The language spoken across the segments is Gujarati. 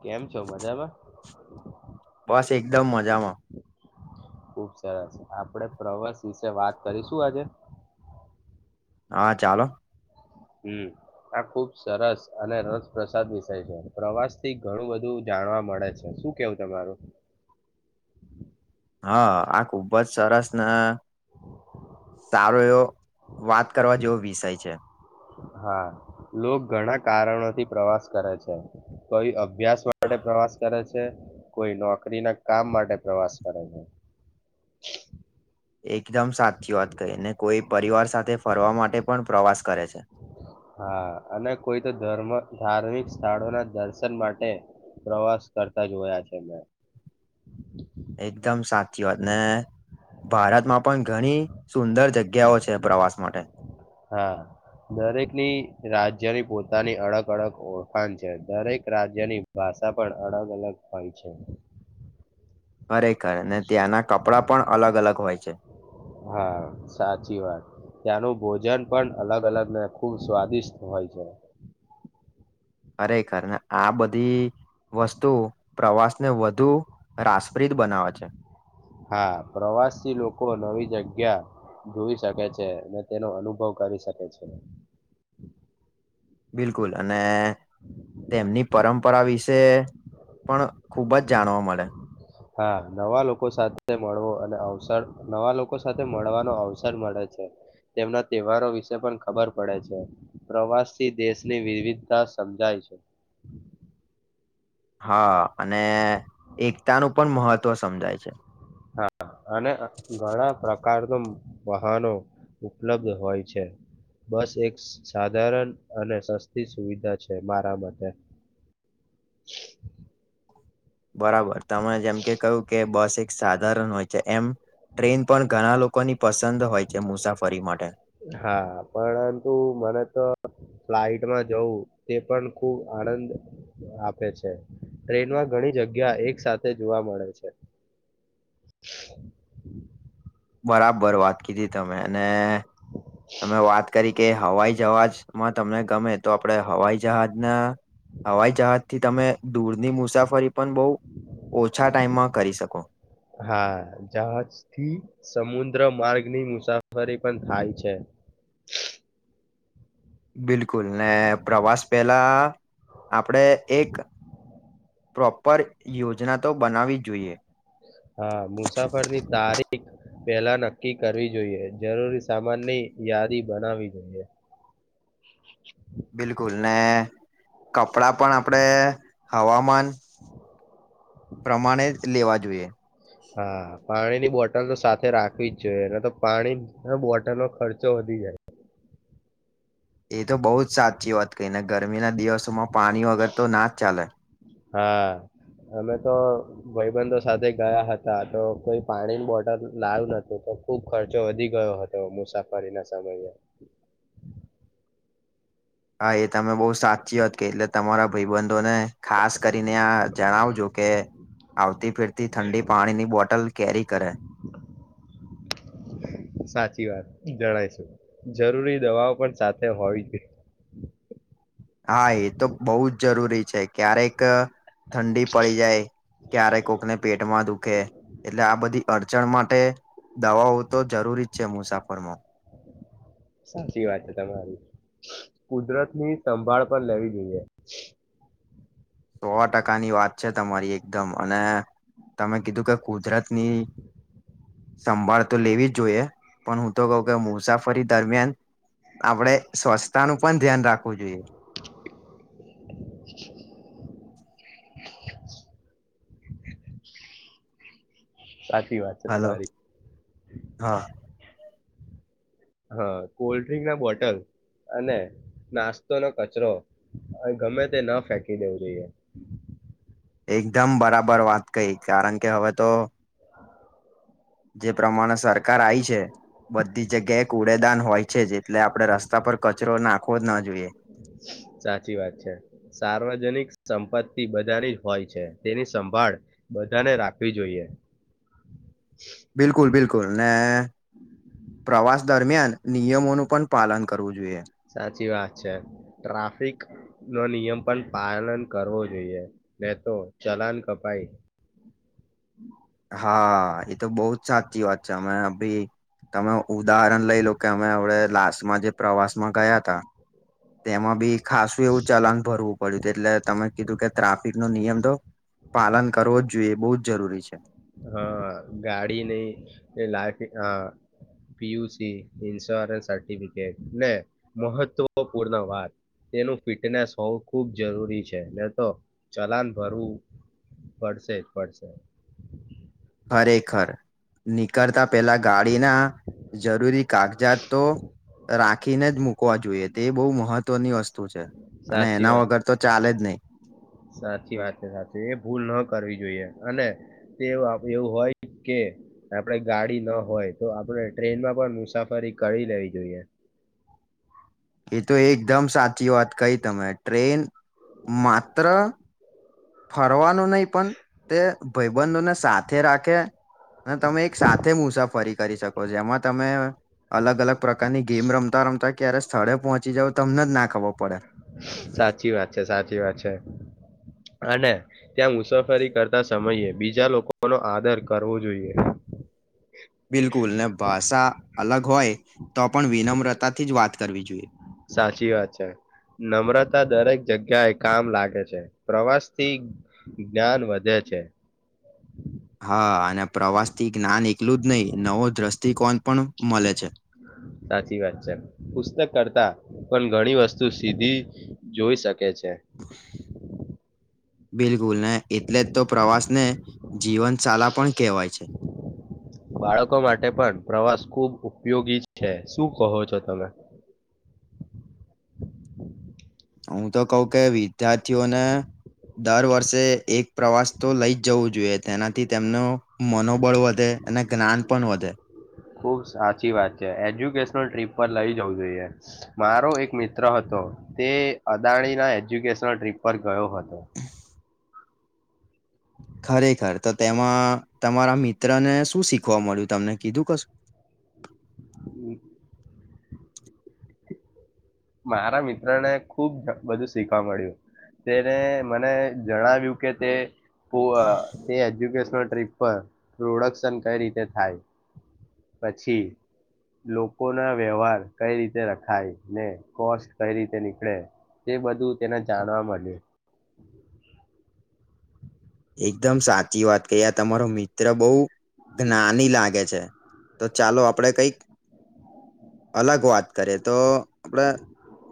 કેમ છો મજામાં? બસ એકદમ મજામાં. ખુબ સરસ આપડે પ્રવાસ વિશે વાત કરીશું આજે. હા ચાલો. હું આ ખુબ સરસ અને રસપ્રસાદ વિષય છે પ્રવાસ થી ઘણું બધું જા જાણવા મળે છે શું કેવું તમારું? હા આ ખુબ જ સરસ ના સારો એવો વાત કરવા જેવો વિષય છે. હા લો ઘણા કારણોથી પ્રવાસ કરે છે. કોઈ અભ્યાસ માટે પ્રવાસ કરે છે. કોઈ નોકરી ના કામ માટે પ્રવાસ કરે છે. એકદમ સાચી વાત કહી ને કોઈ પરિવાર સાથે ફરવા માટે પણ પ્રવાસ કરે છે. હા અને કોઈ તો ધર્મ ધાર્મિક સ્થળો ના દર્શન માટે પ્રવાસ કરતા જોયા છે મેં. એકદમ સાચી વાત ને ભારતમાં પણ ઘણી સુંદર જગ્યાઓ છે પ્રવાસ માટે. હા દરેકની રાજ્યની પોતાની અડગ અળગ ઓળખાણ છે દરેક રાજ્યની ભાષા પણ અલગ અલગ હોય છે. મ. ખરેખર ને ત્યાંના કપડા પણ અલગ અલગ હોય છે. હા સાચી વાત ત્યાંનું ભોજન પણ અલગ અલગ ને ખુબ સ્વાદિષ્ટ હોય છે. ખરેખર ને આ બધી વસ્તુ પ્રવાસ ને વધુ રાસપ્રીત બનાવે છે હા પ્રવાસીથી લોકો નવી જગ્યા જગ્યા જોઈ શકે છે અને તેનો અનુભવ કરી શકે છે. બિલકુલ અને તેમની પરંપ આ વિશે પણ ખુબ જ જાણવા મળે. હા નવા લોકો સાથે મળવો અને અવસર નવા લોકો સાથે મળવાનો અવસર મળે છે. તેમના તહેવારો વિશે પણ ખબર પડે છે પ્રવાસ થી દેશની વિવિધતા સમજાય છે. [inaudible] હા અને એકતાનું પણ મહત્ત્વ સમજાય છે. હા અને ઘણા પ્રકાર ન વાહનો ઉપલબ્ધ હોય છે. બસ, એક સાધારણ અને સસ્તી સુવિધા છે, મારા મતે [inaudible] બરાબર, તમે જેમ કે કયું કે બસ સાધાર હોય છે, એમ ટ્રેન પણ ઘણા લોકોની પસંદ હોય છે મુસાફરી માટે હા, પરંતુ મને તો ફ્લાઇટમાં જવું, તે પણ ખૂબ આનંદ આપે છે. ટ્રેનમાં ઘણી જગ્યા, એક સાથે જોવા મળે છે. [inaudible] બરાબર વાત. તમે અને તમે વાત કરી, કે હવાઈ જહાજમાં તમને ગમે, તો આપડે હવાઈ જહાજના હવાઈ જહાજ થી, તમે દૂરની મુસાફરી પણ બહ, ઓછા ટાઈમમાં કરી શકો હ, જહાજથી સમુદ્ર માર્ગની મુસાફરી પણ થાય છે. બિલકુલને પ્રવાસ, પેલા આપડે એક પ્રોપર યોજના, તો બનાવી જોઈએ હા, મુસાફરની તારીખ પેલા નક્કી કરવી, જોઈએ જરૂરી સામાનની યાદી બનાવી જોઈએ બિલકુલને કપડાં, પણ આપડે હવામાન પ્રમાણે જ લેવા જોઈએ. હા, પાણીની બોટલ, તો સાથે રાખવી જ જોઈએ, તો પાણી બોટલ નો ખર્ચો વધી યસ. એ, તો બહુ જ સાચી વાત કરીહીને ગરમીના દિવસોમાં પાણી વગર, તો ના જ ચાલે હા અમે, તો ભાઈબંધો સાથે ગયા હતા, તો કોઈ પાણીની બોટલ લાવ્યું નતું ખુબ ખર્ચો વધી ગયો, હતો મુસાફરી ના સમયે હા, એ તમે બહુ સાચી હતીત, કે એટલે તમારા ભાઈ, બંધ ને ખાસ કરીને, આ જણાવજો કે આવતી ફેરતી ઠંડી, પાણીની બોટલ કેરી કરે સાચી જણાયશું જરૂરી, દવાઓ પણ સાથે, હોવી જોઈએ. હા, એ તો બહુ જ જરૂરી છે, ક્યારેક ઠંડી પડી જાય, ક્યારે કોકને પેટમાં દુખ. ઓકે એટલે, આ બધી અડચણ માટે દવાઓ તો જરૂરી જ છે, મુસાફરમાં. સાચી વાત છે, તમારું. કુદરત ની સંભાળ પણ લેવી, જોઈએ. સો ટકાની વાત છે, તમારી એકદમ અને તમે કીધું કે કુજરાતની સંભાળ, તો લેવી જ જોઈએ પણ હું, તો કઉ કે મુસાફરી દરમિયાન આપડે, સ્વચ્થતા નું પણ ધ્યાન રાખવ જોઈએ. [inaudible] સાચી વાત છે, હલો તમારી હા હા, કોલ્ડ્રિંક ના બોટલ. અને નાસ્તોનોો કચરો, ગમે તે ન ફેકી દેવું જોઈએ. [inaudible] એકદમ બરાબર વાત કહી કારણ કે હવે, તો. જે પ્રમાણે સરકાર આવી છે, બધી જગ્યાએ એક ઉડેદાન હોય. છે જ, એટલે આપડણે રસ્તા પર કચરો નાખવો જ ના જોઈએ. સાચી વાત છે, સાર્વજનિક સંપત્તિ બધાની જ હોય છે તેની સંભાળ બધાને રાખવી જોઈએ. [inaudible] બિલકુલ બિલકુલ ને, પ્રવાસ દરમિયાન નિયમોનું પણ પાલન કરવું જોઈએ. સાચી વાત છે ટ્રાફિક નો નિયમ પણ પાલન કરવો જોઈએ ને તો ચલાન કપાઈ. [inaudible] હા એ તો બહુ સાચી વાત છે અમે અભી તમે ઉદાહરણ લઈ લો કે અમે અવડે લાસ્ટમાં જે પ્રવાસમાં ગયા તા. તેમાં બી ખાસું એવું ચલાન ભરવું પડ્યું હતું એટલે તમે કીધું કે ટ્રાફિક નો નિયમ તો પાલન કરવો જ જોઈએ બહુ જ જરૂરી છે. હા ગાડી નહી એ લાગ હા પીયુસી ઇન્સ્યોરન્સ સર્ટિફિકેટ ને મહત્વપૂર્ણ વાત તેનું ફિટનેસ હોવું ખૂબ જરૂરી છે નેતો ચલાન ભરવું પડશે જ પડશે. ખરેખર નીકળતા પેલા ગાડી ના જરૂરી કાગજાત તો રાખીને જ મુક. મૂકવા જોઈએ તે એ બહુ મહત્વની વસ્તુ છે, અને સાચી એના વાત વગર તો ચાલે જ નહી. સાચી વાત છે સાચી એ ભૂલ ન કરવી જોઈએ અને તે એવું હોય કે આપણેે ગાડી ના હોય તો આપણે ટ્રેનમાં પણ મુસાફ મુસાફરી કરી લેવી જોઈએ. એ તો એકદમ સાચી વાત કઈ તમે ટ્રેન માત્ર ફરવાનું નહી પણ તે ભાઈબંધોને સાથે રાખે અને તમે એક સાથે મુસાફરી કરી શકો છે, એમાં તમે અલગ અલગ પ્રકારની ગેમ રમતા રમતા ક્યારે સ્થળે પહોંચી જાવ તમને જ ના ખબર. પડે સાચી વાત છે. સાચી વાત છે. અને ત્યાં મુસાફરી કરતા સમયે બીજા લોકોનો આદર કરવો જોઈએ. બિલકુલ ને ભાષા અલગ હોય તો પણ વિનમ્રતાથી જ વાત કરવી જોઈએ. સાચી વાત છે. નમ્રતા દરેક જગ્યા એ કામ લાગે છે, પ્રવાસ થી જ્ઞાન વધે છે. છે. હા! અને પ્રવાસથી જ્ઞાન એકલું જ નઈ નવો દ્રષ્ટિકોણ પણ મલે છે. સાચી વાત છે પુસ્તક કરતા પણ ઘણી વસ્તુ સીધી જોઈ શકે છે. [unintelligible] બિલકુલ ને એટલેજ તો પ્રવાસ ને બાળકો માટે પણ પ્રવાસ ખુબ ઉપયોગી છે. શું કહો છો તમે? [inaudible] હું તો કઉ કે વિદ્યાર્થીઓને દર વર્ષે એક પ્રવાસ તો લઈજ જવું જોઈએ, તેનાથી તેમનું મનોબળ વધે અને જ્ઞાન પણ વધે. ખુબ સાચી વાત છે, એજ્યુકેશનલ ટ્રીપ પર લઈ જવું જોઈએ. મારો એક મિત્ર હતો તે અદાણી ના એજ્યુકેશનલ ટ્રીપ પર ગયો હતો. ખરેખર! તો તેમાં તમારા મિત્રને શું શીખવા મળ્યું તમને કીધું કશું? [inaudible] મારા મિત્ર ને ખૂબ બધું શીખવા મળ્યું. તેણે મને જણાવ્યું કે તે ખૂઅ જે એજ્યુકે ટ્રીપ પર પ્રોડક્શન કઈ રીતે થાય. પછી લોકો ના વ્યવહાર કઈ રીતે રખાય ને, કોષ કઈ રીતે નીકળે તે બધું તેને જાણવા મળ્યું. એકદમ સાચી વાત કહી, આ તમારો મિત્ર બો જ્ઞાની લાગે છે. તો ચાલો આપણેે કઈક અલગ વાત કરીએ તો આપણે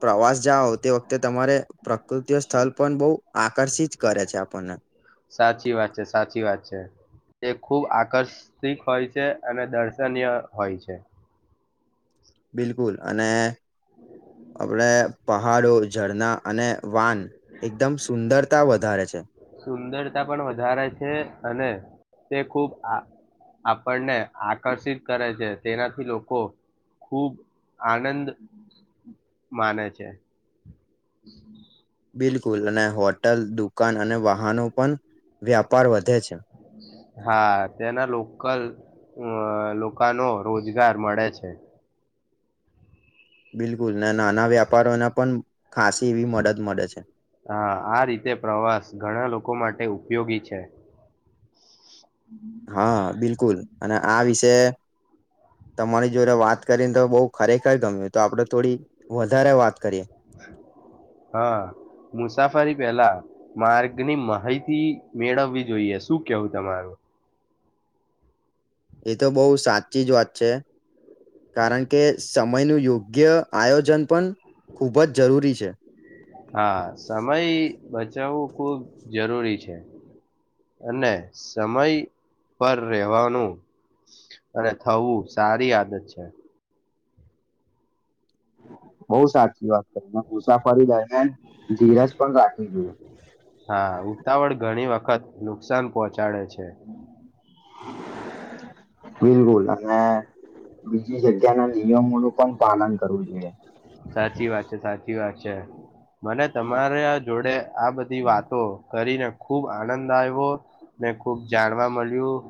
પ્રવાસ જાઓ તે વખતે તમારે પ્રકૃતિઓ સ્થલ પણ બોઉ આકર્ષિત કરે છે આપણને. સાચી વાત છે સાચી વાત છે. તે ખૂબ આકર્ષિક હોય છે અને દર્શનીય હોય છે. બિલકુલ અને, આપડે પહાડો, ઝરણા અને વાન એકદમ સુંદરતા વધારે છે. સુંદરતા પણ વધારે છે અને તે ખૂબ આ આપણને આકર્ષિત કરે છે તેનાથી લોકો ખૂબઆનંદ માને છે. હમ [unintelligible] બિલકુલ અને હોટલ દુકાન અને વાહનો પન, વ્યાપાર વધે છે. હા તેના લોકલ અ લો લોકાનો રોજગાર મળે છે. બિલકુલ ને નાના વ્યાપારોને પન હા આ રીતે પ્રવાસ ઘણા લોકો મા તે ઉપયોગી છે. હા બિલકુલ, અને આ વિશે તમારી જોડે વાત કરીને તો બઉ ખરેખર ગમ્યું તો આપડે થોડી, વધારે વાત કરીએ. હા. મુસાફરી પેલા માર્ગની માહિતી મેળવવી જોઈએ શું કેવું તમારુ. એ તો બો સાચીજ વાત છે. કારણ કે સમયનું યોગ્ય આયોજન પન હા સમય બચાવવું ખૂબ જરૂરી છે, અને સમય પર રહેવાનું, અને થવું સારી આદત છે. બો સાચી વાત કરી ને મુસાફરી દરમિયાન, ધીરજ પણ રાખી જોઈએ. હા ઉતાવળ ઘણી વખત નુકસાન પહોંચાડે છે. બિલ બુલ અને બીજી જગ્યા ના નિયમોનું પન પાલન કરવું જોઈએ. સાચી વાત છે સાચી વાત છે. મને તમારા જોડે આ બધી વાતો કરીને ખુબ આનંદ આવ્યો. મેને ખુબ જાણવા મળ્યું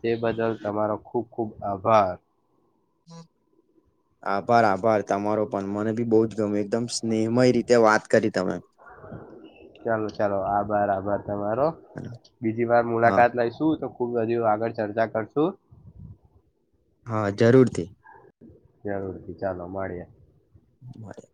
તે બદલ તમારો ખુબ ખુબ આભાર. આભાર આભાર તમારો. પણ મને બી બહુ જ ગમ એકદમ સ્નેમય રીતે વાત કરી તમે. બરાબર તમારો બીજી વાર હા મુલાકાત લઈશું તો ખુબ બી આગળ ચર્ચા કરશું. હા જરૂરથી જરૂૃરથી ચાલો માડ્યા. માર [unintelligible]